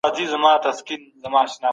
ځوانان به د خپل هېواد لپاره کار کوي.